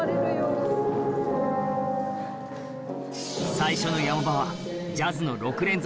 最初のヤマ場はジャズの６連続